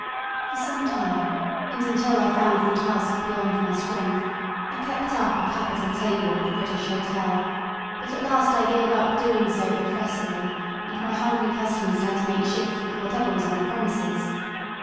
For some time, and until I found the task beyond my strength, I kept up a capital table at the British Hotel; but at last I gave up doing so professedly, and my hungry customers had to make shift with whatever was on the premises.